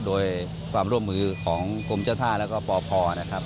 โดยความร่วมมือของกรมเจ้าท่าแล้วก็ปพนะครับ